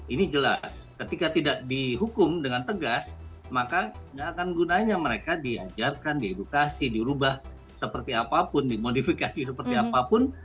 ini jelas ketika tidak dihukum dengan tegas maka tidak akan gunanya mereka diajarkan diedukasi dirubah seperti apapun dimodifikasi seperti apapun